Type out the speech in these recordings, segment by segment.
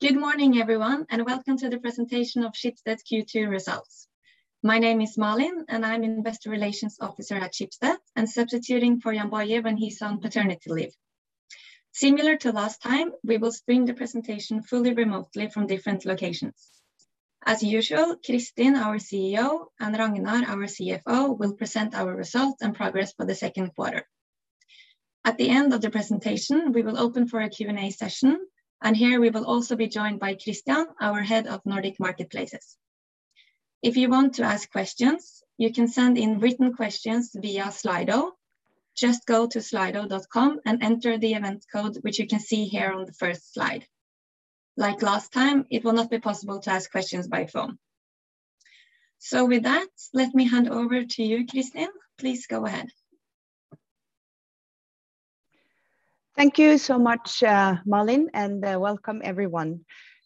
Good morning, everyone, and welcome to the presentation of Schibsted's Q2 results. My name is Malin, and I'm investor relations officer at Schibsted and substituting for Jann-Boje Meinecke when he's on paternity leave. Similar to last time, we will stream the presentation fully remotely from different locations. As usual, Kristin, our CEO, and Ragnar, our CFO, will present our results and progress for the second quarter. At the end of the presentation, we will open for a Q&A session, and here we will also be joined by Christian, our Head of Nordic Marketplaces. If you want to ask questions, you can send in written questions via Slido. Just go to slido.com and enter the event code, which you can see here on the first slide. Like last time, it will not be possible to ask questions by phone. With that, let me hand over to you, Kristin. Please go ahead. Thank you so much, Malin, and welcome everyone.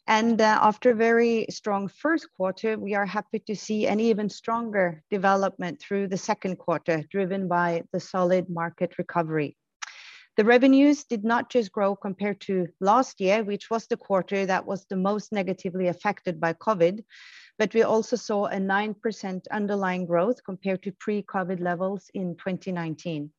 After a very strong first quarter, we are happy to see an even stronger development through the second quarter, driven by the solid market recovery. The revenues did not just grow compared to last year, which was the quarter that was the most negatively affected by COVID, but we also saw a 9% underlying growth compared to pre-COVID levels in 2019.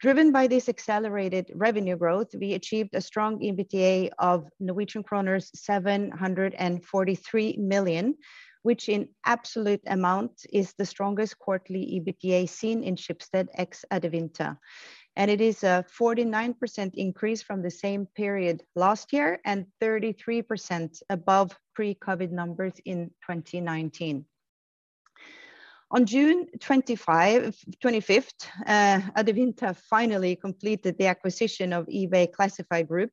Driven by this accelerated revenue growth, we achieved a strong EBITDA of Norwegian kroner 743 million, which in absolute amount is the strongest quarterly EBITDA seen in Schibsted ex Adevinta. It is a 49% increase from the same period last year and 33% above pre-COVID numbers in 2019. On June 25th, Adevinta finally completed the acquisition of eBay Classifieds Group,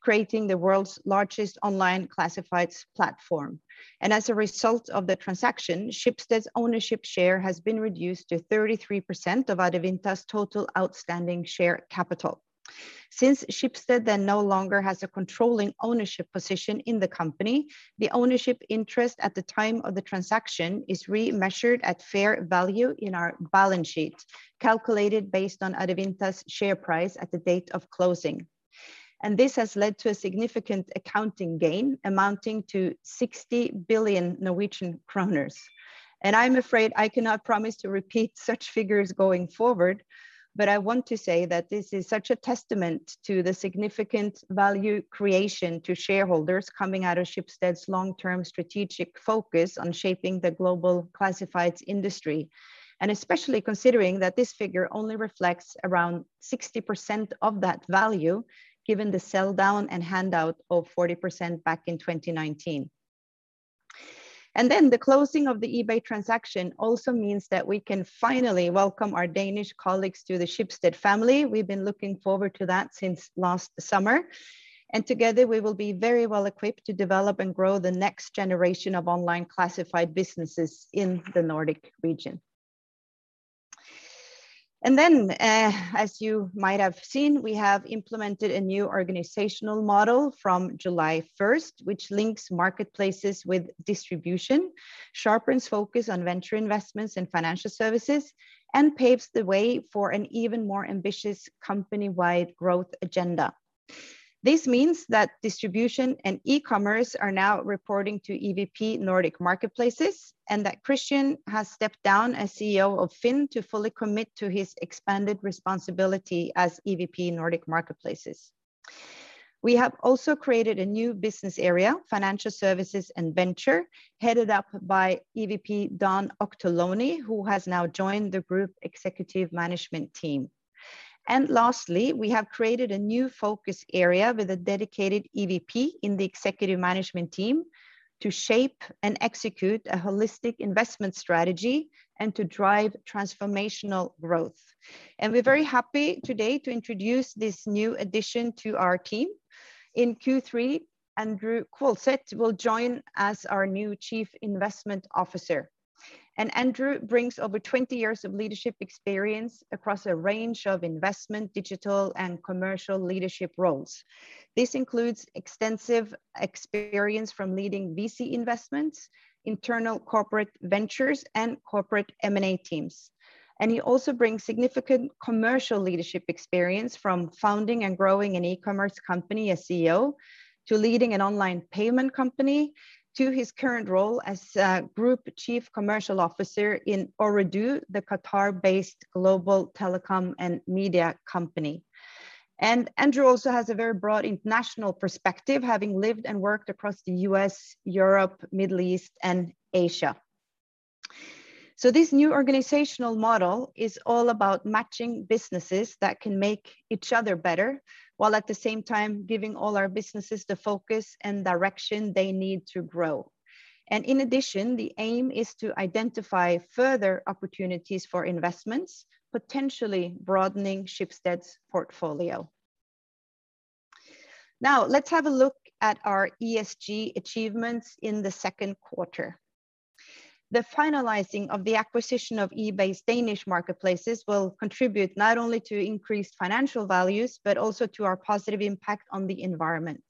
creating the world's largest online classifieds platform. As a result of the transaction, Schibsted's ownership share has been reduced to 33% of Adevinta's total outstanding share capital. Schibsted then no longer has a controlling ownership position in the company, the ownership interest at the time of the transaction is remeasured at fair value in our balance sheet, calculated based on Adevinta's share price at the date of closing. This has led to a significant accounting gain amounting to 60 billion Norwegian kroner. I'm afraid I cannot promise to repeat such figures going forward, but I want to say that this is such a testament to the significant value creation to shareholders coming out of Schibsted's long-term strategic focus on shaping the global classifieds industry, and especially considering that this figure only reflects around 60% of that value, given the sell down and handout of 40% back in 2019. The closing of the eBay transaction also means that we can finally welcome our Danish colleagues to the Schibsted family. We've been looking forward to that since last summer. Together we will be very well equipped to develop and grow the next generation of online classified businesses in the Nordic region. As you might have seen, we have implemented a new organizational model from July 1st, which links marketplaces with distribution, sharpens focus on venture investments and financial services, and paves the way for an even more ambitious company-wide growth agenda. This means that distribution and e-commerce are now reporting to EVP Nordic Marketplaces. Christian has stepped down as CEO of FINN to fully commit to his expanded responsibility as EVP Nordic Marketplaces. We have also created a new business area, Financial Services & Venture, headed up by EVP Dan Ouchterlony, who has now joined the group executive management team. Lastly, we have created a new focus area with a dedicated EVP in the executive management team to shape and execute a holistic investment strategy and to drive transformational growth. We're very happy today to introduce this new addition to our team. In Q3, Andrew Kvålseth will join as our new Chief Investment Officer. Andrew brings over 20 years of leadership experience across a range of investment, digital, and commercial leadership roles. This includes extensive experience from leading VC investments, internal corporate ventures, and corporate M&A teams. He also brings significant commercial leadership experience from founding and growing an e-commerce company as CEO to leading an online payment company to his current role as Group Chief Commercial Officer in Ooredoo, the Qatar-based global telecom and media company. Andrew also has a very broad international perspective, having lived and worked across the U.S., Europe, Middle East, and Asia. This new organizational model is all about matching businesses that can make each other better, while at the same time giving all our businesses the focus and direction they need to grow. In addition, the aim is to identify further opportunities for investments, potentially broadening Schibsted's portfolio. Let's have a look at our ESG achievements in the second quarter. The finalizing of the acquisition of eBay Classifieds Denmark will contribute not only to increased financial values, but also to our positive impact on the environment.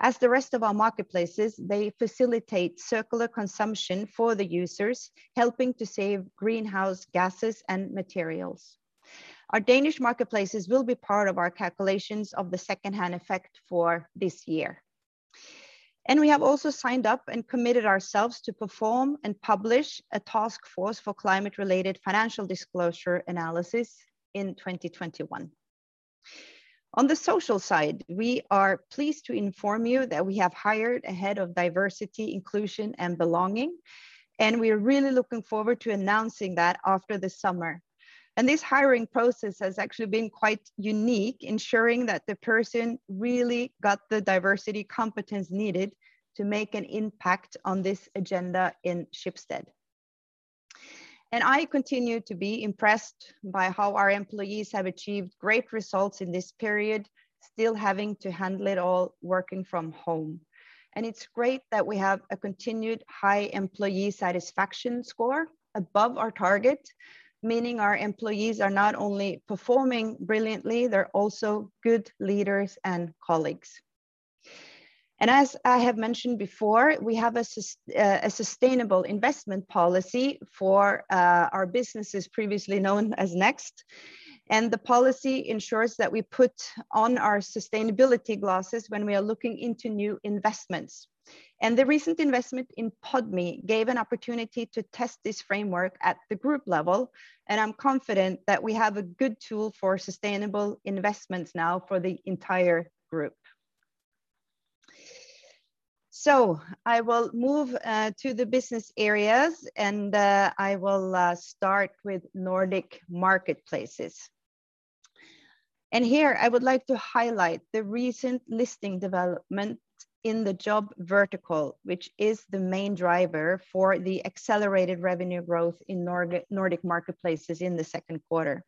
As the rest of our marketplaces, they facilitate circular consumption for the users, helping to save greenhouse gases and materials. Our Danish marketplaces will be part of our calculations of the secondhand effect for this year. We have also signed up and committed ourselves to perform and publish a Task Force for Climate-Related Financial Disclosure analysis in 2021. On the social side, we are pleased to inform you that we have hired a head of diversity, inclusion, and belonging, and we are really looking forward to announcing that after the summer. This hiring process has actually been quite unique, ensuring that the person really got the diversity competence needed to make an impact on this agenda in Schibsted. I continue to be impressed by how our employees have achieved great results in this period, still having to handle it all working from home. It's great that we have a continued high employee satisfaction score above our target, meaning our employees are not only performing brilliantly, they're also good leaders and colleagues. As I have mentioned before, we have a sustainable investment policy for our businesses previously known as Next. The policy ensures that we put on our sustainability glasses when we are looking into new investments. The recent investment in PodMe gave an opportunity to test this framework at the group level, and I'm confident that we have a good tool for sustainable investments now for the entire group. I will move to the business areas, and I will start with Nordic Marketplaces. Here I would like to highlight the recent listing development in the job vertical, which is the main driver for the accelerated revenue growth in Nordic Marketplaces in the second quarter.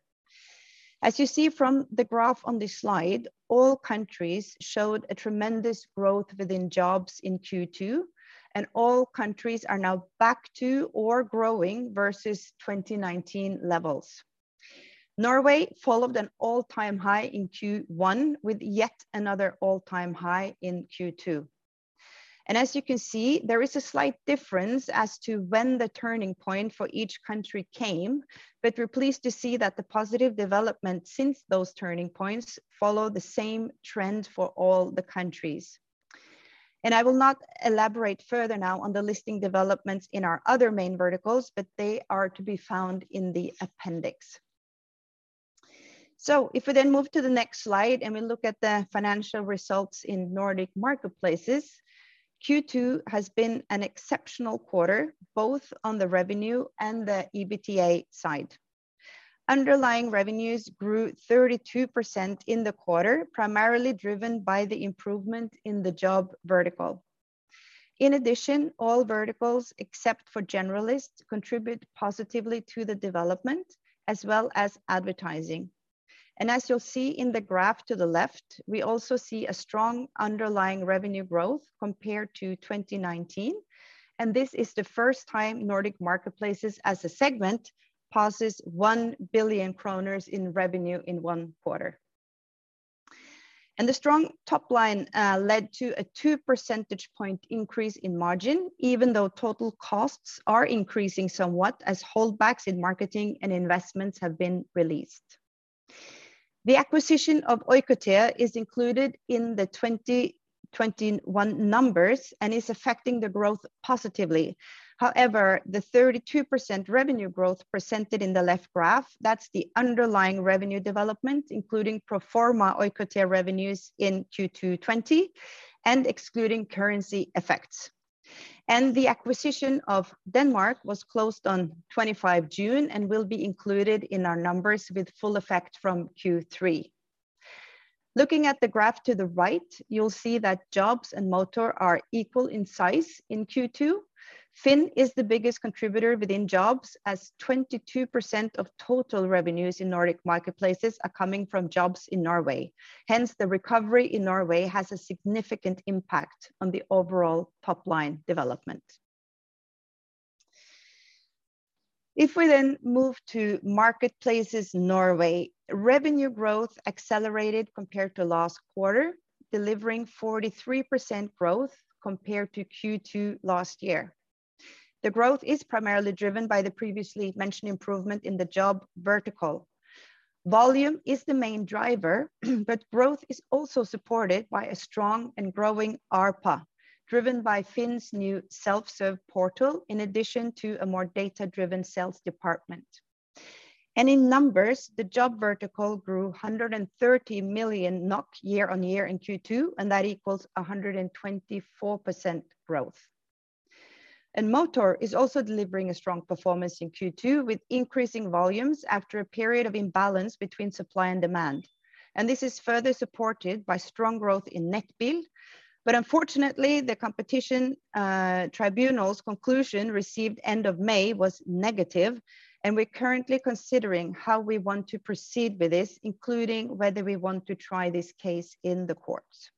As you see from the graph on this slide, all countries showed a tremendous growth within jobs in Q2, and all countries are now back to or growing versus 2019 levels. Norway followed an all-time high in Q1 with yet another all-time high in Q2. As you can see, there is a slight difference as to when the turning point for each country came. We're pleased to see that the positive development since those turning points follow the same trend for all the countries. I will not elaborate further now on the listing developments in our other main verticals, but they are to be found in the appendix. If we move to the next slide, and we look at the financial results in Nordic Marketplaces, Q2 has been an exceptional quarter, both on the revenue and the EBITDA side. Underlying revenues grew 32% in the quarter, primarily driven by the improvement in the job vertical. In addition, all verticals except for generalists contribute positively to the development as well as advertising. As you'll see in the graph to the left, we also see a strong underlying revenue growth compared to 2019, and this is the first time Nordic Marketplaces as a segment passes 1 billion kroner in revenue in one quarter. The strong top line led to a 2 percentage point increase in margin, even though total costs are increasing somewhat as holdbacks in marketing and investments have been released. The acquisition of eBay Classifieds Denmark is included in the 2021 numbers and is affecting the growth positively. However, the 32% revenue growth presented in the left graph, that's the underlying revenue development, including pro forma eBay Classifieds Denmark revenues in Q2 2020 and excluding currency effects. The acquisition of eBay Denmark was closed on 25 June and will be included in our numbers with full effect from Q3. Looking at the graph to the right, you'll see that jobs and motor are equal in size in Q2. FINN is the biggest contributor within jobs as 22% of total revenues in Nordic Marketplaces are coming from jobs in Norway. Hence, the recovery in Norway has a significant impact on the overall top-line development. If we then move to Marketplaces Norway, revenue growth accelerated compared to last quarter, delivering 43% growth compared to Q2 last year. The growth is primarily driven by the previously mentioned improvement in the job vertical. Volume is the main driver, but growth is also supported by a strong and growing ARPA, driven by FINN's new self-serve portal, in addition to a more data-driven sales department. In numbers, the job vertical grew 130 million NOK year-on-year in Q2, and that equals 124% growth. Motor is also delivering a strong performance in Q2 with increasing volumes after a period of imbalance between supply and demand. This is further supported by strong growth in Nettbil. Unfortunately, the Competition Tribunal's conclusion received end of May was negative, and we're currently considering how we want to proceed with this, including whether we want to try this case in the courts.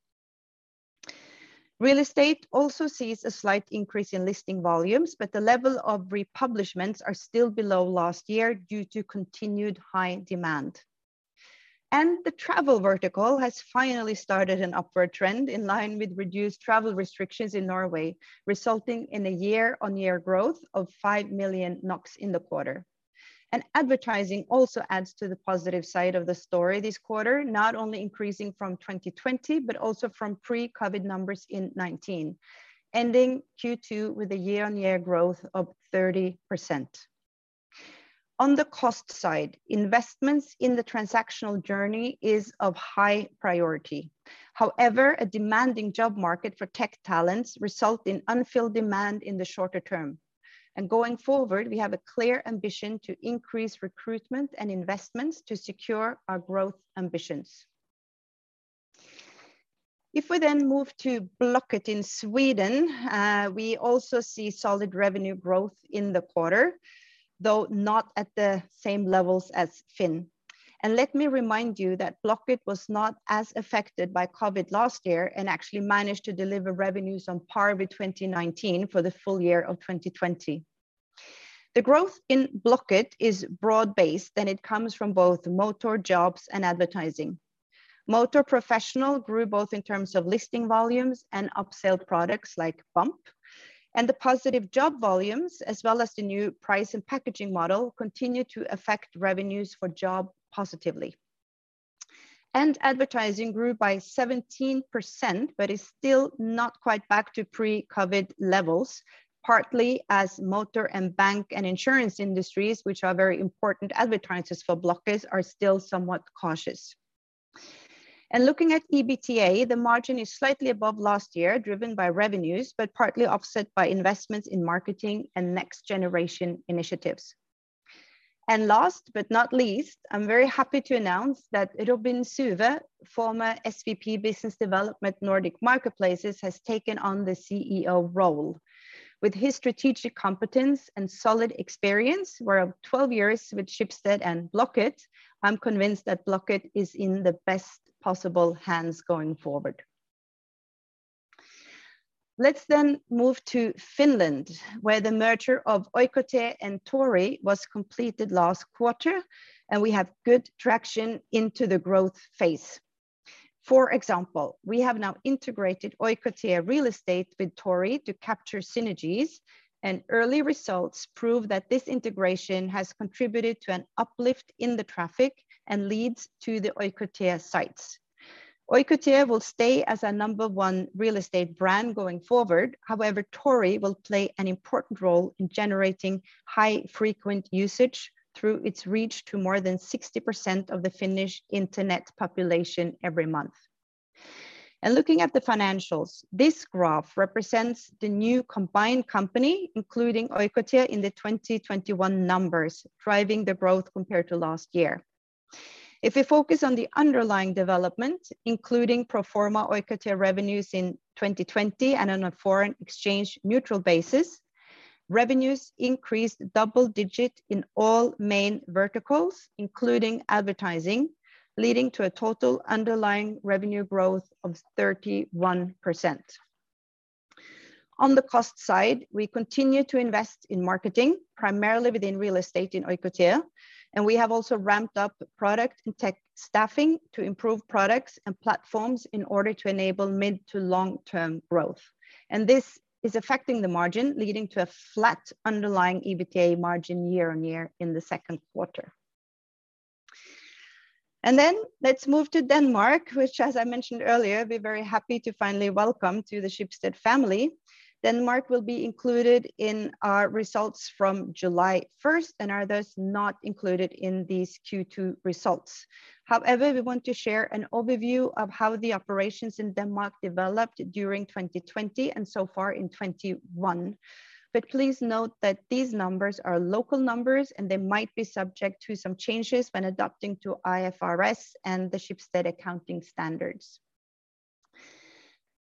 Real estate also sees a slight increase in listing volumes, but the level of republishments are still below last year due to continued high demand. The travel vertical has finally started an upward trend in line with reduced travel restrictions in Norway, resulting in a year-on-year growth of 5 million NOK in the quarter. Advertising also adds to the positive side of the story this quarter, not only increasing from 2020, but also from pre-COVID numbers in 2019, ending Q2 with a year-on-year growth of 30%. On the cost side, investments in the transactional journey is of high priority. However, a demanding job market for tech talents result in unfilled demand in the shorter term. Going forward, we have a clear ambition to increase recruitment and investments to secure our growth ambitions. If we then move to Blocket in Sweden, we also see solid revenue growth in the quarter, though not at the same levels as FINN. Let me remind you that Blocket was not as affected by COVID last year and actually managed to deliver revenues on par with 2019 for the full year of 2020. The growth in Blocket is broad based, and it comes from both motor jobs and advertising. Motor professional grew both in terms of listing volumes and upsell products like Bump. The positive job volumes, as well as the new price and packaging model, continue to affect revenues for job positively. Advertising grew by 17%, but is still not quite back to pre-COVID levels, partly as motor and bank and insurance industries, which are very important advertisers for Blocket, are still somewhat cautious. Looking at EBITDA, the margin is slightly above last year, driven by revenues, but partly offset by investments in marketing and next generation initiatives. Last but not least, I am very happy to announce that Robin Suwe, former SVP Business Development Nordic Marketplaces, has taken on the CEO role. With his strategic competence and solid experience, well, 12 years with Schibsted and Blocket, I am convinced that Blocket is in the best possible hands going forward. Let's move to Finland, where the merger of Oikotie and Tori was completed last quarter, and we have good traction into the growth phase. For example, we have now integrated Oikotie Real Estate with Tori to capture synergies, and early results prove that this integration has contributed to an uplift in the traffic and leads to the Oikotie sites. Oikotie will stay as a number one real estate brand going forward. Tori will play an important role in generating high frequent usage through its reach to more than 60% of the Finnish internet population every month. Looking at the financials, this graph represents the new combined company, including Oikotie in the 2021 numbers, driving the growth compared to last year. If we focus on the underlying development, including pro forma Oikotie revenues in 2020 and on a foreign exchange neutral basis, revenues increased double digit in all main verticals, including advertising, leading to a total underlying revenue growth of 31%. On the cost side, we continue to invest in marketing, primarily within real estate in Oikotie, and we have also ramped up product and tech staffing to improve products and platforms in order to enable mid to long term growth. This is affecting the margin, leading to a flat underlying EBITDA margin year-on-year in the second quarter. Let's move to Denmark, which as I mentioned earlier, be very happy to finally welcome to the Schibsted family. Denmark will be included in our results from July 1st and are thus not included in these Q2 results. However, we want to share an overview of how the operations in Denmark developed during 2020 and so far in 2021. Please note that these numbers are local numbers, and they might be subject to some changes when adapting to IFRS and the Schibsted accounting standards.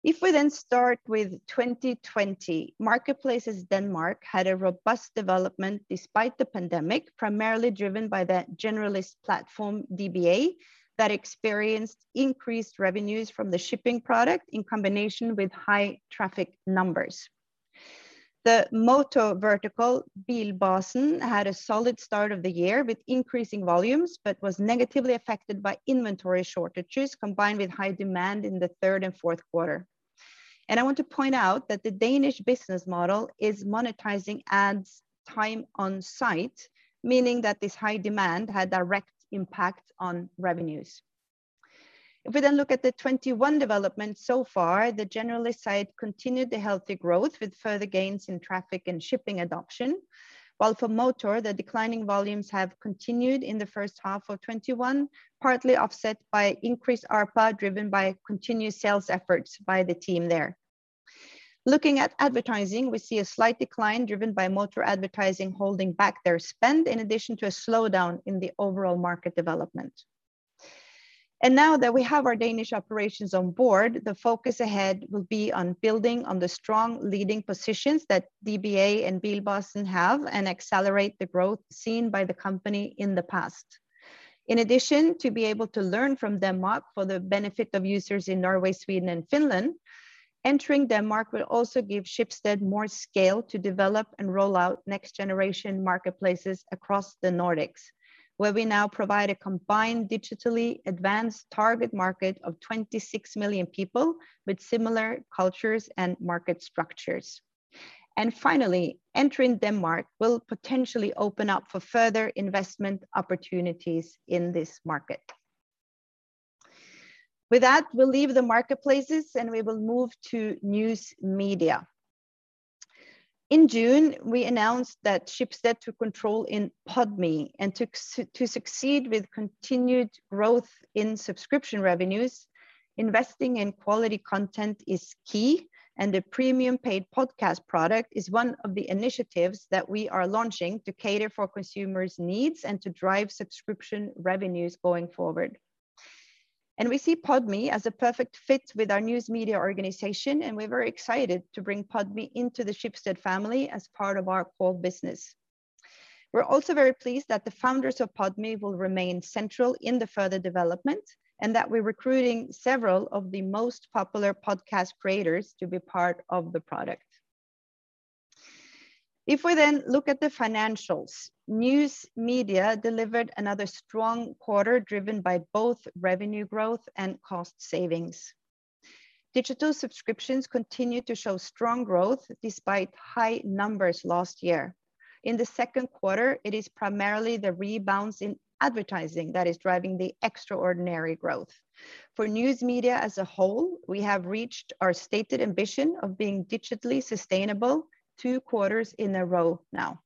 If we then start with 2020, Marketplaces Denmark had a robust development despite the pandemic, primarily driven by the generalist platform, DBA, that experienced increased revenues from the shipping product in combination with high traffic numbers. The motor vertical, Bilbasen, had a solid start of the year with increasing volumes but was negatively affected by inventory shortages combined with high demand in the third and fourth quarter. I want to point out that the Danish business model is monetizing ads time on site, meaning that this high demand had direct impact on revenues. If we look at the 2021 development so far, the generalist side continued the healthy growth with further gains in traffic and shipping adoption. While for motor, the declining volumes have continued in the first half of 2021, partly offset by increased ARPA driven by continued sales efforts by the team there. Looking at advertising, we see a slight decline driven by motor advertising holding back their spend in addition to a slowdown in the overall market development. Now that we have our Danish operations on board, the focus ahead will be on building on the strong leading positions that DBA and Bilbasen have and accelerate the growth seen by the company in the past. In addition, to be able to learn from Denmark for the benefit of users in Norway, Sweden and Finland, entering Denmark will also give Schibsted more scale to develop and roll out next-generation marketplaces across the Nordics, where we now provide a combined digitally advanced target market of 26 million people with similar cultures and market structures. Finally, entering Denmark will potentially open up for further investment opportunities in this market. With that, we'll leave the marketplaces and we will move to News Media. In June, we announced that Schibsted took control in PodMe and to succeed with continued growth in subscription revenues, investing in quality content is key, and the premium paid podcast product is one of the initiatives that we are launching to cater for consumers' needs and to drive subscription revenues going forward. We see PodMe as a perfect fit with our News Media organization, and we're very excited to bring PodMe into the Schibsted family as part of our core business. We're also very pleased that the founders of PodMe will remain central in the further development and that we're recruiting several of the most popular podcast creators to be part of the product. If we then look at the financials, News Media delivered another strong quarter, driven by both revenue growth and cost savings. Digital subscriptions continue to show strong growth despite high numbers last year. In the second quarter, it is primarily the rebounds in advertising that is driving the extraordinary growth. For News Media as a whole, we have reached our stated ambition of being digitally sustainable two quarters in a row now.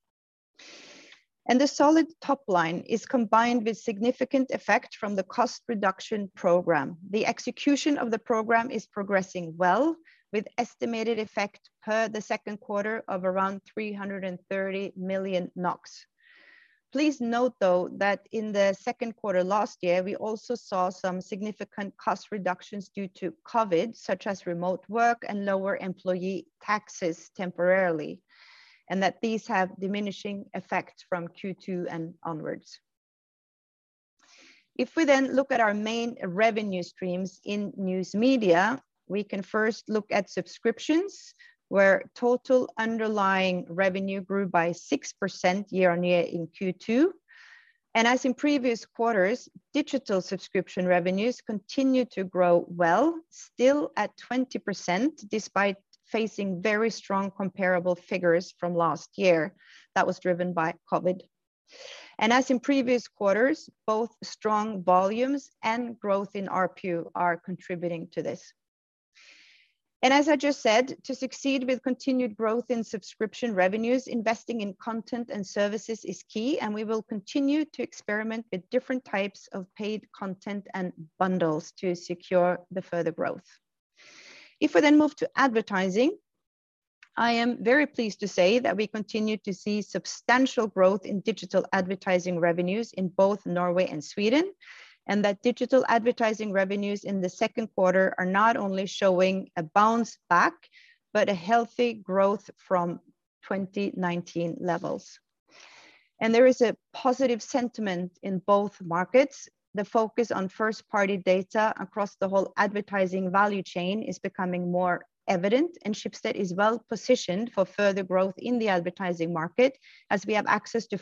The solid top line is combined with significant effect from the cost reduction program. The execution of the program is progressing well, with estimated effect per the second quarter of around 330 million NOK. Please note, though, that in the second quarter last year, we also saw some significant cost reductions due to COVID, such as remote work and lower employee taxes temporarily, and that these have diminishing effects from Q2 onwards. If we then look at our main revenue streams in News Media, we can first look at subscriptions, where total underlying revenue grew by 6% year-on-year in Q2. As in previous quarters, digital subscription revenues continue to grow well, still at 20%, despite facing very strong comparable figures from last year that was driven by COVID. As in previous quarters, both strong volumes and growth in ARPU are contributing to this. As I just said, to succeed with continued growth in subscription revenues, investing in content and services is key, and we will continue to experiment with different types of paid content and bundles to secure the further growth. If we then move to advertising, I am very pleased to say that we continue to see substantial growth in digital advertising revenues in both Norway and Sweden, and that digital advertising revenues in the second quarter are not only showing a bounce-back but a healthy growth from 2019 levels. There is a positive sentiment in both markets. The focus on first-party data across the whole advertising value chain is becoming more evident, and Schibsted is well-positioned for further growth in the advertising market as we have access to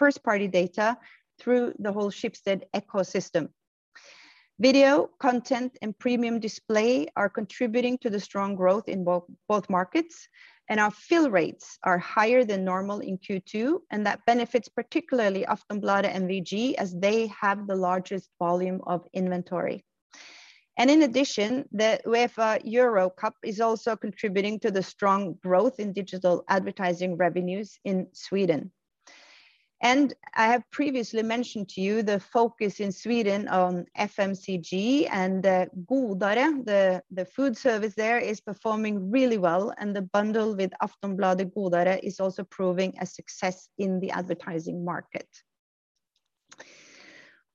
first-party data through the whole Schibsted ecosystem. Video content and premium display are contributing to the strong growth in both markets, and our fill rates are higher than normal in Q2, and that benefits particularly Aftonbladet and VG as they have the largest volume of inventory. In addition, the UEFA European Championship is also contributing to the strong growth in digital advertising revenues in Sweden. I have previously mentioned to you the focus in Sweden on FMCG and Godare, the food service there is performing really well, and the bundle with Aftonbladet Godare is also proving a success in the advertising market.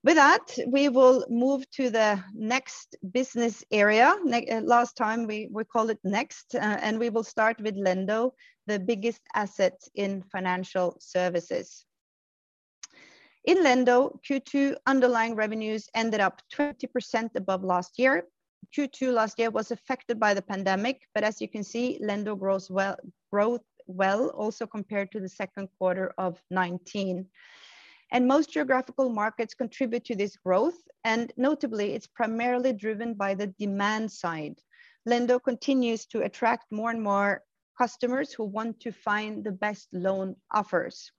With that, we will move to the next business area. Last time, we called it next, and we will start with Lendo, the biggest asset in financial services. In Lendo, Q2 underlying revenues ended up 20% above last year. Q2 last year was affected by the pandemic, but as you can see, Lendo growth well, also compared to the second quarter of 2019. Most geographical markets contribute to this growth, and notably, it's primarily driven by the demand side. Lendo continues to attract more and more customers who want to find the best loan offers.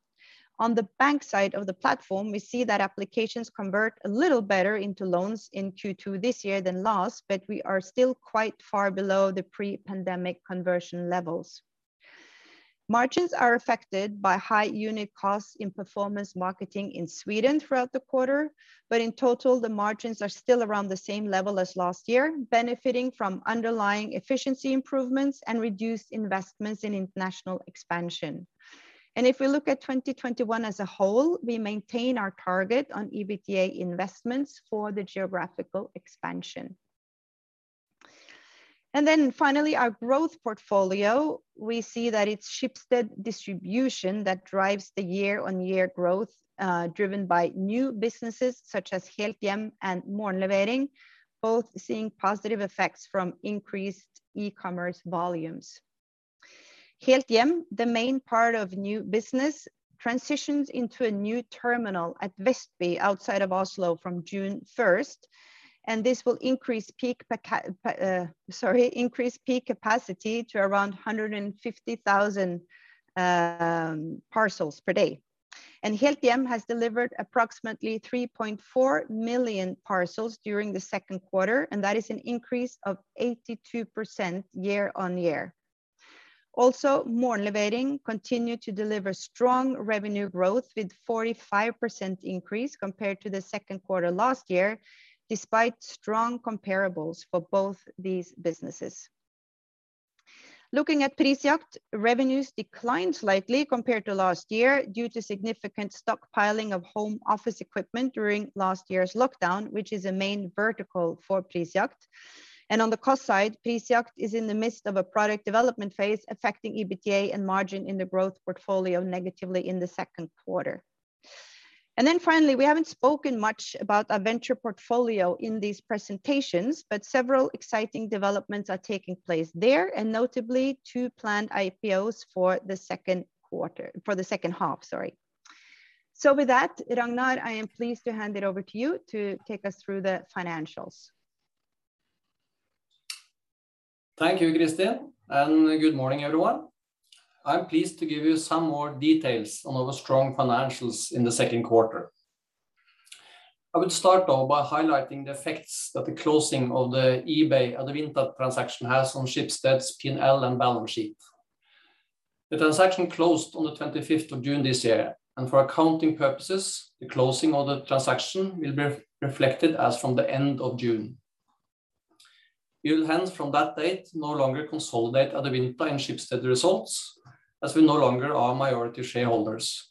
On the bank side of the platform, we see that applications convert a little better into loans in Q2 this year than last, but we are still quite far below the pre-pandemic conversion levels. Margins are affected by high unit costs in performance marketing in Sweden throughout the quarter. In total, the margins are still around the same level as last year, benefiting from underlying efficiency improvements and reduced investments in international expansion. If we look at 2021 as a whole, we maintain our target on EBITDA investments for the geographical expansion. Finally, our growth portfolio, we see that it's Schibsted Distribution that drives the year-on-year growth, driven by new businesses such as Helthjem and Morgenlevering, both seeing positive effects from increased e-commerce volumes. Helthjem, the main part of new business, transitions into a new terminal at Vestby outside of Oslo from June 1st, and this will increase peak capacity to around 150,000 parcels per day. Helthjem has delivered approximately 3.4 million parcels during the second quarter, and that is an increase of 82% year-on-year. Morgenlevering continued to deliver strong revenue growth with 45% increase compared to the second quarter last year, despite strong comparables for both these businesses. Looking at Prisjakt, revenues declined slightly compared to last year due to significant stockpiling of home office equipment during last year's lockdown, which is a main vertical for Prisjakt. On the cost side, Prisjakt is in the midst of a product development phase affecting EBITDA and margin in the growth portfolio negatively in the second quarter. Finally, we haven't spoken much about our venture portfolio in these presentations, but several exciting developments are taking place there, notably two planned IPOs for the second half. With that, Ragnar, I am pleased to hand it over to you to take us through the financials. Thank you, Kristin, and good morning, everyone. I'm pleased to give you some more details on our strong financials in the second quarter. I would start, though, by highlighting the effects that the closing of the eBay and the Adevinta transaction has on Schibsted's P&L and balance sheet. The transaction closed on the 25th of June this year, and for accounting purposes, the closing of the transaction will be reflected as from the end of June. We will hence from that date no longer consolidate Adevinta and Schibsted results, as we no longer are minority shareholders.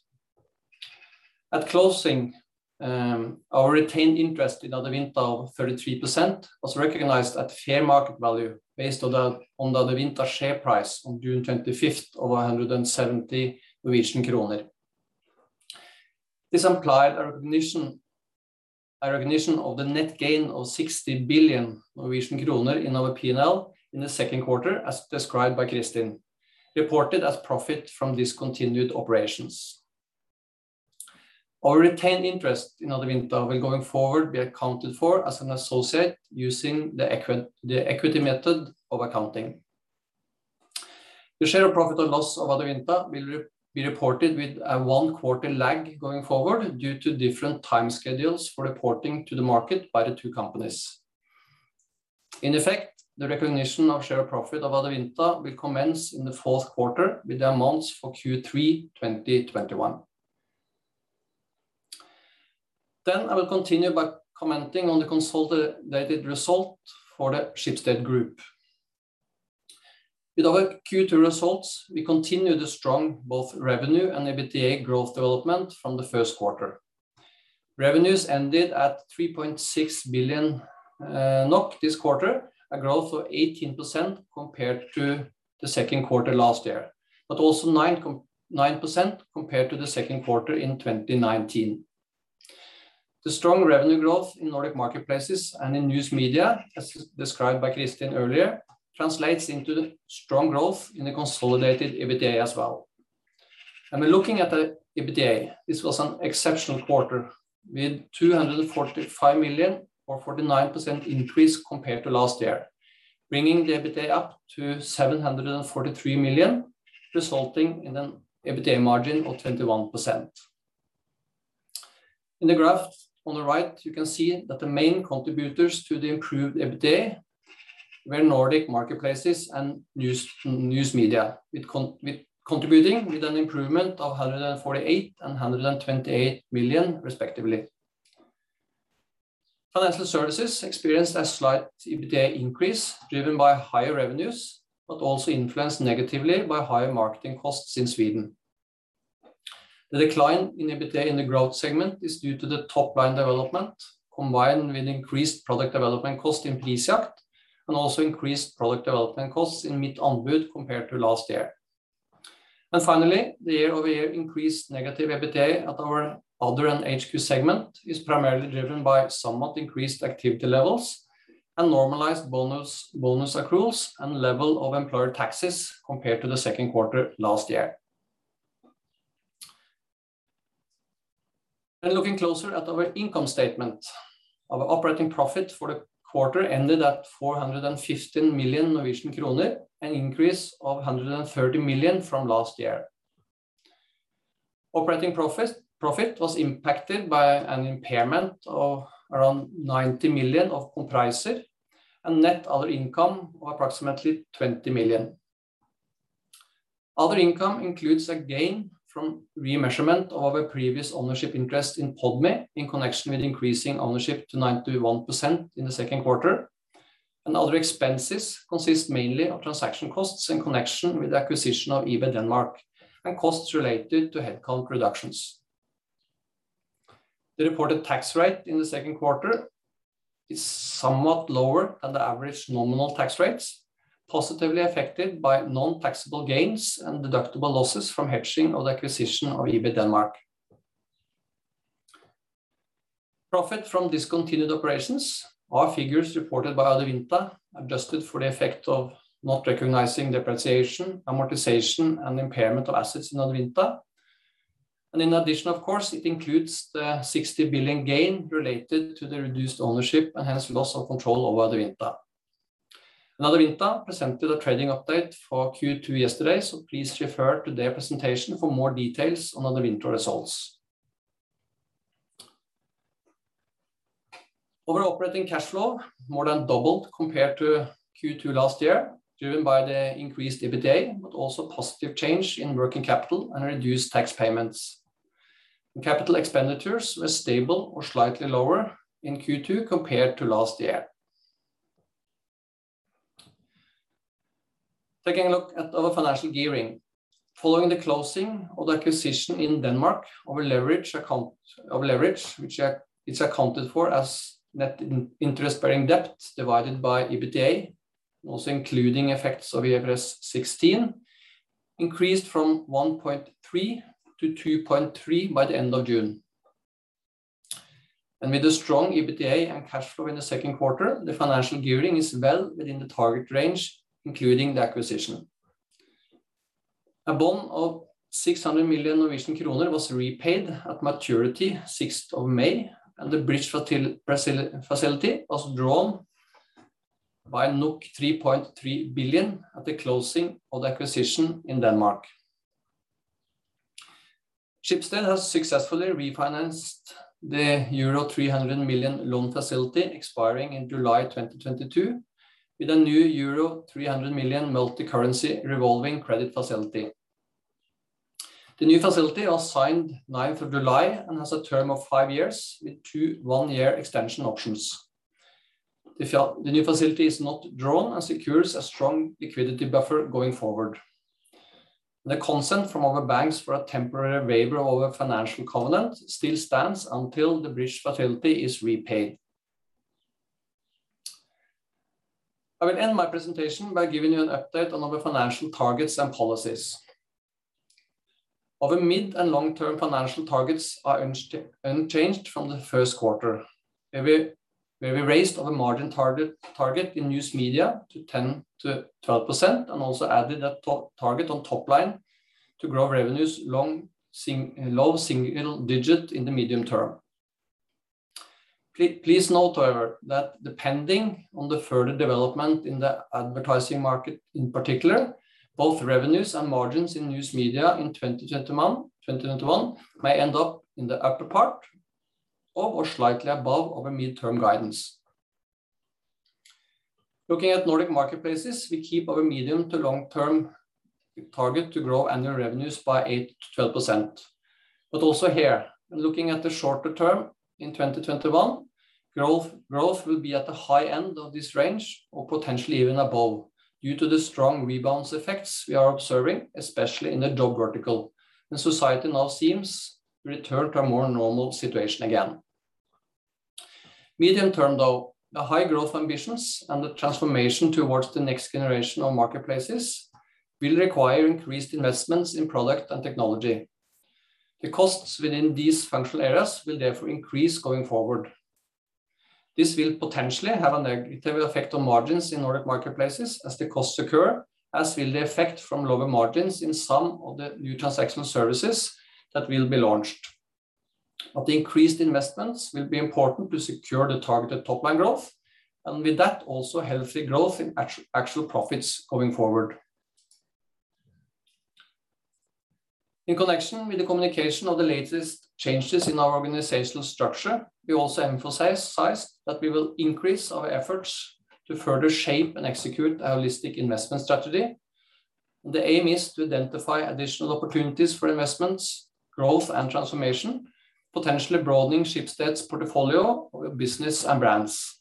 At closing, our retained interest in Adevinta of 33% was recognized at fair market value based on the Adevinta share price on June 25th of 170 Norwegian kroner. This implied a recognition of the net gain of 60 billion Norwegian kroner in our P&L in the second quarter, as described by Kristin, reported as profit from discontinued operations. Our retained interest in Adevinta will, going forward, be accounted for as an associate using the equity method of accounting. The share of profit or loss of Adevinta will be reported with a one-quarter lag going forward due to different time schedules for reporting to the market by the two companies. In effect, the recognition of share of profit of Adevinta will commence in the fourth quarter with the amounts for Q3 2021. I will continue by commenting on the consolidated result for the Schibsted Group. With our Q2 results, we continue the strong both revenue and EBITDA growth development from the first quarter. Revenues ended at 3.6 billion NOK this quarter, a growth of 18% compared to the second quarter last year, also 9% compared to the second quarter in 2019. The strong revenue growth in Nordic Marketplaces and in News Media, as described by Kristin earlier, translates into strong growth in the consolidated EBITDA as well. We're looking at the EBITDA. This was an exceptional quarter with 245 million or 49% increase compared to last year, bringing the EBITDA up to 743 million, resulting in an EBITDA margin of 21%. In the graph on the right, you can see that the main contributors to the improved EBITDA were Nordic Marketplaces and News Media, contributing with an improvement of 148 million and 128 million, respectively. Financial Services experienced a slight EBITDA increase driven by higher revenues, also influenced negatively by higher marketing costs in Sweden. The decline in EBITDA in the Growth segment is due to the top-line development, combined with increased product development cost in Prisjakt and also increased product development costs in Mittanbud compared to last year. Finally, the year-over-year increased negative EBITDA at our Other and HQ segment is primarily driven by somewhat increased activity levels and normalized bonus accruals and level of employer taxes compared to the second quarter last year. Looking closer at our income statement. Our operating profit for the quarter ended at 415 million Norwegian kroner, an increase of 130 million from last year. Operating profit was impacted by an impairment of around 90 million of Compricer and net other income of approximately 20 million. Other income includes a gain from remeasurement of a previous ownership interest in Podme in connection with increasing ownership to 91% in the second quarter. Other expenses consist mainly of transaction costs in connection with the acquisition of eBay Denmark and costs related to headcount reductions. The reported tax rate in the second quarter is somewhat lower than the average nominal tax rates, positively affected by non-taxable gains and deductible losses from hedging of the acquisition of eBay Denmark. Profit from discontinued operations are figures reported by Adevinta, adjusted for the effect of not recognizing depreciation, amortization, and impairment of assets in Adevinta. In addition, of course, it includes the 60 billion gain related to the reduced ownership, and hence loss of control over Adevinta. Adevinta presented a trading update for Q2 yesterday, so please refer to their presentation for more details on Adevinta results. Our operating cash flow more than doubled compared to Q2 last year, driven by the increased EBITDA, but also positive change in working capital and reduced tax payments. CapEx were stable or slightly lower in Q2 compared to last year. Taking a look at our financial gearing. Following the closing of the acquisition in Denmark, our leverage, which is accounted for as net interest-bearing debt divided by EBITDA, and also including effects of IFRS 16, increased from 1.3 to 2.3 by the end of June. With the strong EBITDA and cash flow in the second quarter, the financial gearing is well within the target range, including the acquisition. A bond of 600 million Norwegian kroner was repaid at maturity 6th of May, and the bridge facility was drawn by 3.3 billion at the closing of the acquisition in Denmark. Schibsted has successfully refinanced the euro 300 million loan facility expiring in July 2022, with a new euro 300 million multicurrency revolving credit facility. The new facility was signed 9th of July and has a term of five years, with two one-year extension options. The new facility is not drawn and secures a strong liquidity buffer going forward. The consent from our banks for a temporary waiver of our financial covenant still stands until the bridge facility is repaid. I will end my presentation by giving you an update on our financial targets and policies. Our mid and long-term financial targets are unchanged from the first quarter, where we raised our margin target in News Media to 10%-12%, and also added a target on top line to grow revenues low single digit in the medium term. Please note, however, that depending on the further development in the advertising market, in particular, both revenues and margins in News Media in 2021 may end up in the upper part of or slightly above our mid-term guidance. Looking at Nordic Marketplaces, we keep our medium to long-term target to grow annual revenues by 8%-12%. Also here, when looking at the shorter term in 2021, growth will be at the high end of this range or potentially even above, due to the strong rebounds effects we are observing, especially in the job vertical. The society now seems returned to a more normal situation again. Medium term, though, the high growth ambitions and the transformation towards the next generation of marketplaces will require increased investments in product and technology. The costs within these functional areas will therefore increase going forward. This will potentially have a negative effect on margins in Nordic Marketplaces as the costs occur, as will the effect from lower margins in some of the new transactional services that will be launched. The increased investments will be important to secure the targeted top-line growth, and with that, also healthy growth in actual profits going forward. In connection with the communication of the latest changes in our organizational structure, we also emphasized that we will increase our efforts to further shape and execute our holistic investment strategy. The aim is to identify additional opportunities for investments, growth, and transformation, potentially broadening Schibsted's portfolio of business and brands.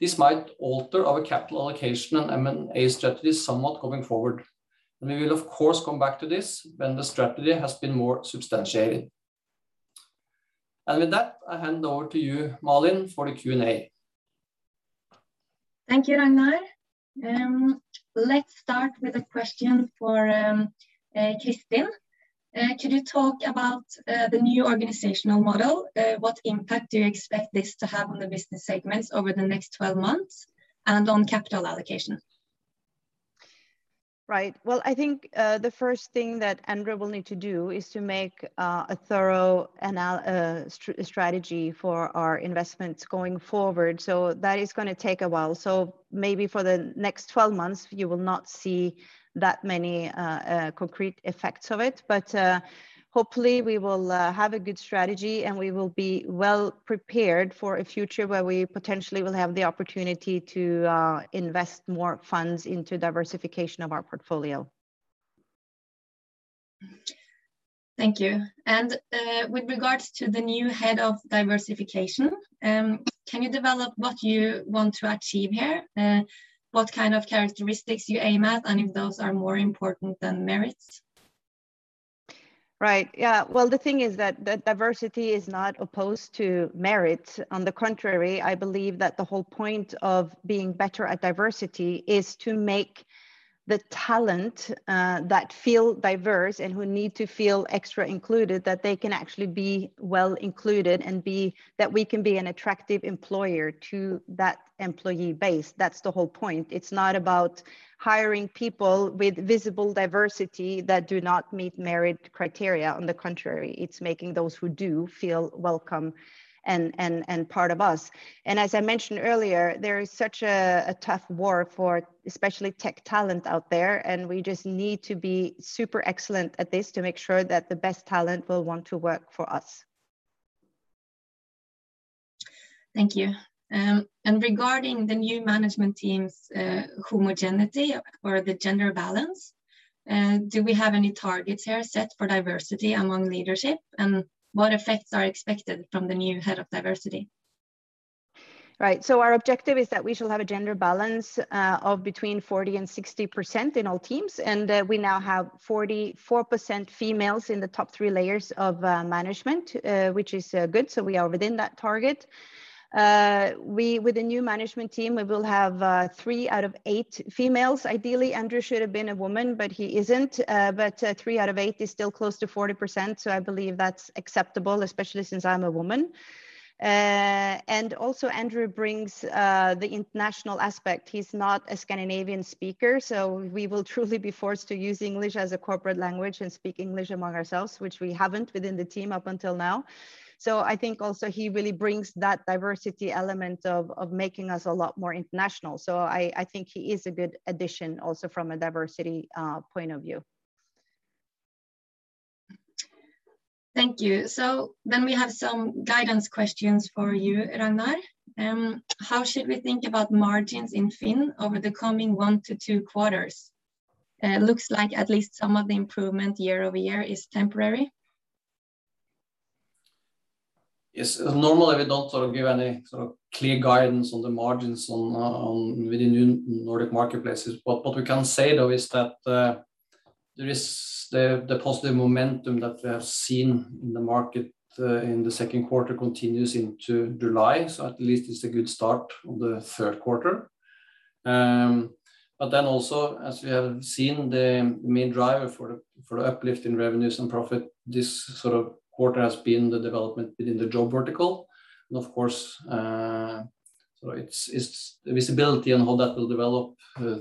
This might alter our capital allocation and M&A strategy somewhat going forward. We will, of course, come back to this when the strategy has been more substantiated. With that, I hand over to you, Malin, for the Q&A. Thank you, Ragnar. Let's start with a question for Kristin. Could you talk about the new organizational model? What impact do you expect this to have on the business segments over the next 12 months and on capital allocation? Right. Well, I think the first thing that Andrew will need to do is to make a thorough strategy for our investments going forward. That is going to take a while. Maybe for the next 12 months, you will not see that many concrete effects of it. Hopefully we will have a good strategy, and we will be well prepared for a future where we potentially will have the opportunity to invest more funds into diversification of our portfolio. Thank you. With regards to the new head of diversification, can you develop what you want to achieve here? What kind of characteristics you aim at, and if those are more important than merits? Right. Well, the thing is that diversity is not opposed to merit. On the contrary, I believe that the whole point of being better at diversity is to make the talent that feel diverse and who need to feel extra included, that they can actually be well included, and that we can be an attractive employer to that employee base. That's the whole point. It's not about hiring people with visible diversity that do not meet merit criteria. On the contrary, it's making those who do feel welcome and part of us. As I mentioned earlier, there is such a tough war for especially tech talent out there, and we just need to be super excellent at this to make sure that the best talent will want to work for us. Thank you. Regarding the new management team's homogeneity or the gender balance, do we have any targets here set for diversity among leadership? What effects are expected from the new head of diversity? Right. Our objective is that we shall have a gender balance of between 40% and 60% in all teams, and we now have 44% females in the top three layers of management, which is good. We are within that target. With the new management team, we will have three out of eight females. Ideally, Andrew should have been a woman, but he isn't. Three out of eight is still close to 40%, I believe that's acceptable, especially since I'm a woman. Also Andrew brings the international aspect. He's not a Scandinavian speaker, we will truly be forced to use English as a corporate language and speak English among ourselves, which we haven't within the team up until now. I think also he really brings that diversity element of making us a lot more international. I think he is a good addition also from a diversity point of view. Thank you. We have some guidance questions for you, Ragnar. How should we think about margins in FINN over the coming one to two quarters? Looks like at least some of the improvement year-over-year is temporary. Yes. Normally, we don't give any clear guidance on the margins within new Nordic Marketplaces. What we can say, though, is that the positive momentum that we have seen in the market in the second quarter continues into July. At least it's a good start on the third quarter. Also as we have seen, the main driver for the uplift in revenues and profit this quarter has been the development within the job vertical. Of course, the visibility and how that will develop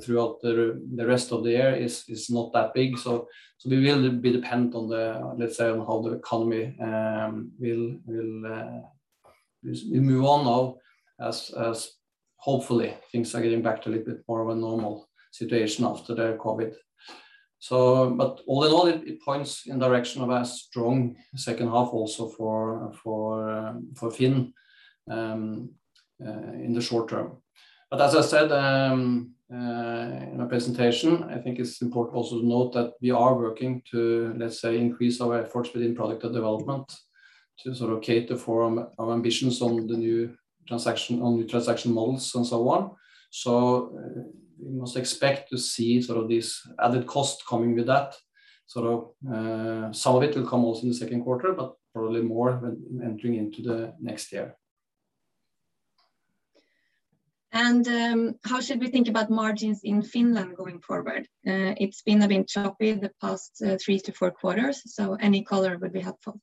throughout the rest of the year is not that big. We will be dependent on, let's say, how the economy will move on now as hopefully things are getting back to a little bit more of a normal situation after the COVID. All in all, it points in direction of a strong second half also for FINN in the short term. As I said in my presentation, I think it's important also to note that we are working to, let's say, increase our efforts within product development to cater for our ambitions on the new transaction models and so on. We must expect to see these added costs coming with that. Some of it will come also in the second quarter, but probably more when entering into the next year. How should we think about margins in Finland going forward? It's been a bit choppy the past three to four quarters, so any color would be helpful.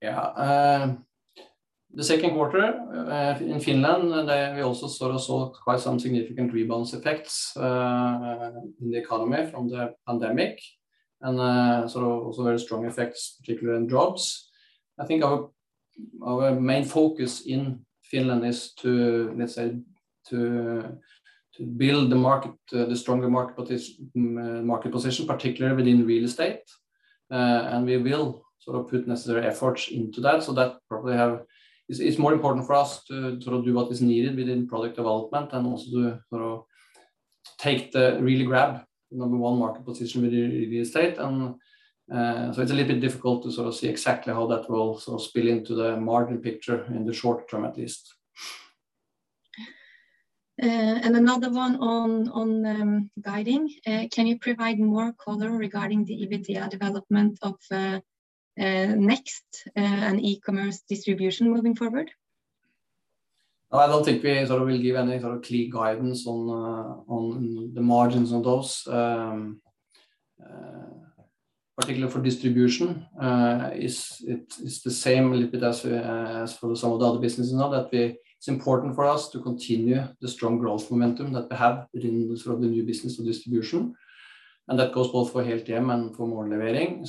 Yeah. The second quarter in Finland, we also saw quite some significant rebalance effects in the economy from the pandemic, and also very strong effects, particularly in jobs. I think our main focus in Finland is to, let's say, build the stronger market position, particularly within real estate. We will put necessary efforts into that so that probably it's more important for us to do what is needed within product development and also to really grab the number one market position within real estate. It's a little bit difficult to see exactly how that will spill into the margin picture in the short term at least. Another one on guiding. Can you provide more color regarding the EBITDA development of Next and E-commerce Distribution moving forward? I don't think we will give any clear guidance on the margins on those. Particularly for distribution, it's the same a little bit as for some of the other businesses now, that it's important for us to continue the strong growth momentum that we have within the new business of distribution. That goes both for Helthjem and for Morgenlevering.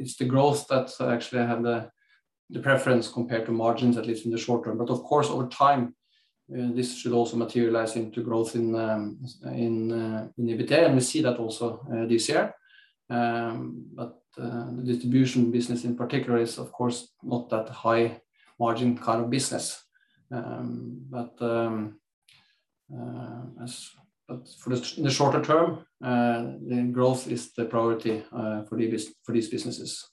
It's the growth that actually have the preference compared to margins, at least in the short term. Of course, over time, this should also materialize into growth in EBITDA, and we see that also this year. The distribution business in particular is, of course, not that high margin kind of business. In the shorter term, the growth is the priority for these businesses.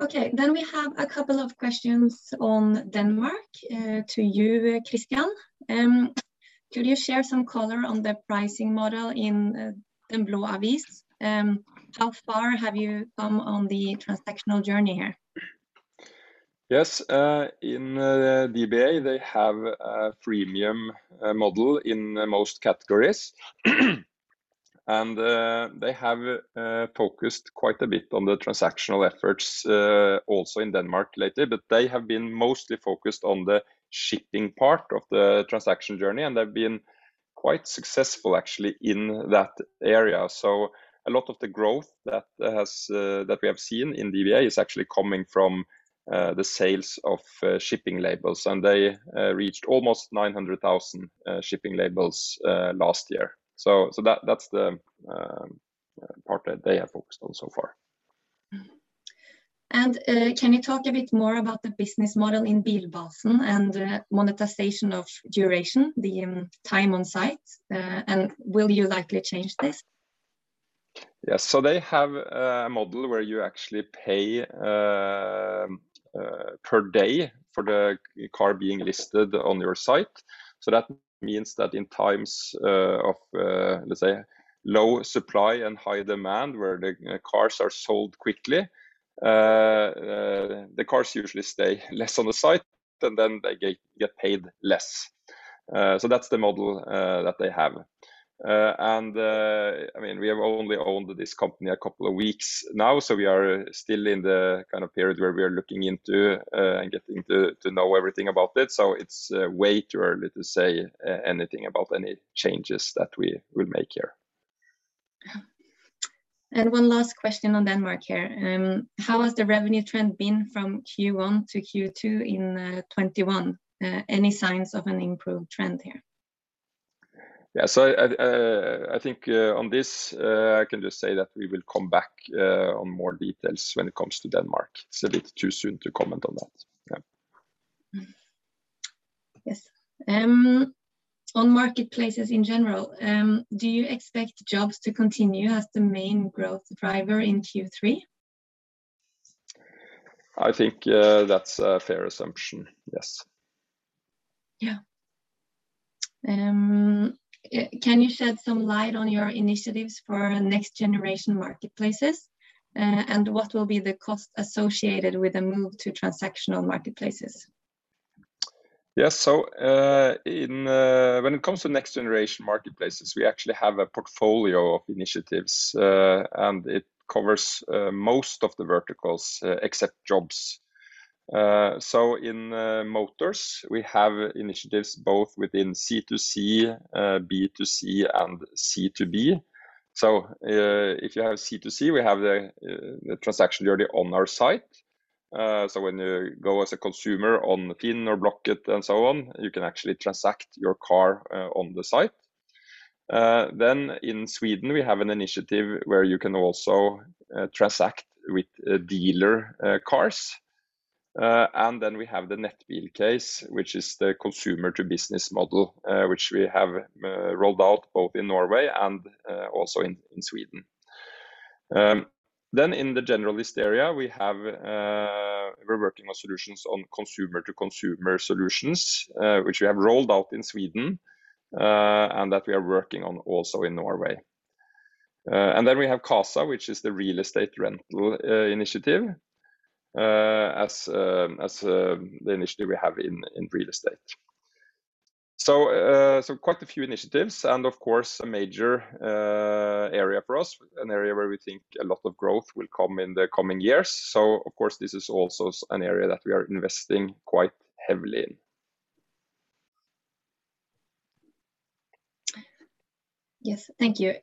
Okay. We have a couple of questions on Denmark to you, Christian. Could you share some color on the pricing model in Den Blå Avis? How far have you come on the transactional journey here? Yes. In DBA, they have a freemium model in most categories. They have focused quite a bit on the transactional efforts, also in Denmark lately, but they have been mostly focused on the shipping part of the transaction journey, and they've been quite successful, actually, in that area. A lot of the growth that we have seen in DBA is actually coming from the sales of shipping labels, and they reached almost 900,000 shipping labels last year. That's the part that they have focused on so far. Can you talk a bit more about the business model in Bilbasen and monetization of duration, the time on site, and will you likely change this? Yes. They have a model where you actually pay per day for the car being listed on your site. That means that in times of, let's say, low supply and high demand, where the cars are sold quickly, the cars usually stay less on the site, and then they get paid less. That's the model that they have. We have only owned this company a couple of weeks now, we are still in the kind of period where we are looking into, and getting to know everything about it. It's way too early to say anything about any changes that we will make here. One last question on Denmark here. How has the revenue trend been from Q1 to Q2 in 2021? Any signs of an improved trend here? Yeah. I think on this, I can just say that we will come back on more details when it comes to Denmark. It's a bit too soon to comment on that. Yeah. Yes. On marketplaces in general, do you expect jobs to continue as the main growth driver in Q3? I think that's a fair assumption. Yes. Yeah. Can you shed some light on your initiatives for next-generation marketplaces, and what will be the cost associated with a move to transactional marketplaces? Yes. When it comes to next-generation marketplaces, we actually have a portfolio of initiatives, and it covers most of the verticals except jobs. In motors, we have initiatives both within C2C, B2C, and C2B. If you have C2C, we have the transaction already on our site. When you go as a consumer on FINN or Blocket and so on, you can actually transact your car on the site. In Sweden, we have an initiative where you can also transact with dealer cars. We have the Nettbil case, which is the consumer-to-business model, which we have rolled out both in Norway and also in Sweden. In the generalist area, we're working on solutions on consumer-to-consumer solutions, which we have rolled out in Sweden, and that we are working on also in Norway. Then we have Qasa, which is the real estate rental initiative, as the initiative we have in real estate. Quite a few initiatives and, of course, a major area for us, an area where we think a lot of growth will come in the coming years. Of course, this is also an area that we are investing quite heavily in. Yes. Thank you.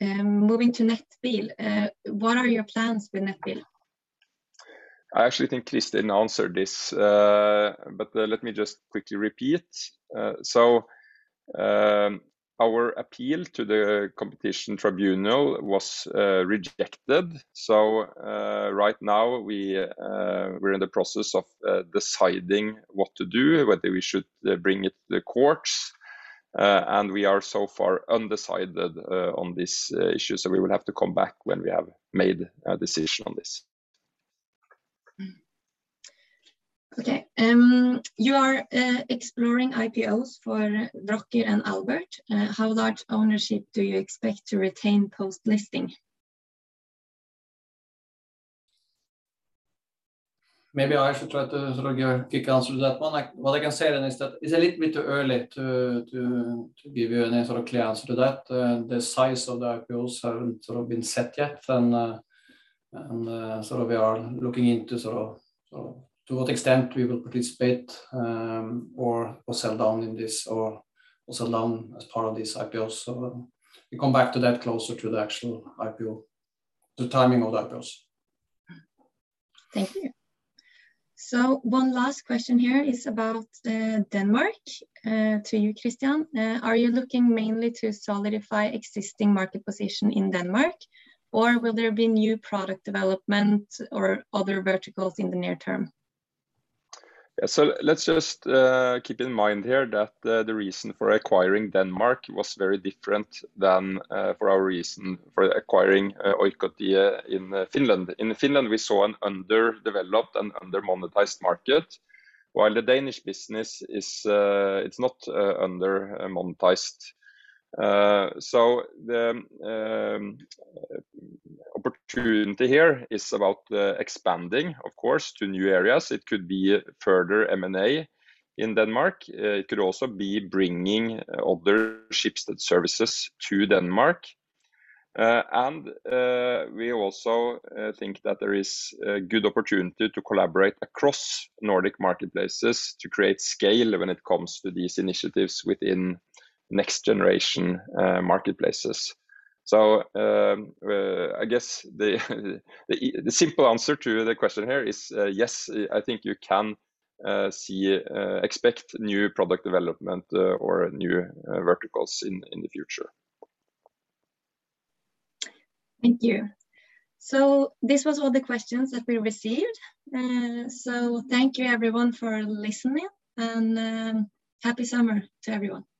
Moving to Nettbil, what are your plans with Nettbil? I actually think Kristin answered this, but let me just quickly repeat. Our appeal to the Competition Tribunal was rejected. Right now, we're in the process of deciding what to do, whether we should bring it to the courts. We are so far undecided on this issue, so we will have to come back when we have made a decision on this. Okay. You are exploring IPOs for Blocket and Albert. How large ownership do you expect to retain post-listing? Maybe I should try to kick answer to that one. What I can say is that it's a little bit too early to give you any sort of clear answer to that. The size of the IPOs haven't been set yet, we are looking into to what extent we will participate, or sell down in this, or sell down as part of these IPOs. We come back to that closer to the actual IPO, the timing of the IPOs. Thank you. One last question here is about Denmark, to you, Christian. Are you looking mainly to solidify existing market position in Denmark, or will there be new product development or other verticals in the near term? Yeah. Let's just keep in mind here that the reason for acquiring Denmark was very different than our reason for acquiring Oikotie in Finland. In Finland, we saw an underdeveloped and undermonetized market, while the Danish business is not undermonetized. The opportunity here is about expanding, of course, to new areas. It could be further M&A in Denmark. It could also be bringing other Schibsted services to Denmark. And we also think that there is a good opportunity to collaborate across Nordic Marketplaces to create scale when it comes to these initiatives within next-generation marketplaces. I guess the simple answer to the question here is yes, I think you can expect new product development or new verticals in the future. Thank you. This was all the questions that we received. Thank you, everyone, for listening. Happy summer to everyone.